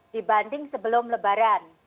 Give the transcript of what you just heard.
dibanding sebelum lebaran